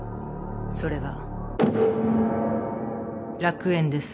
それは楽園です。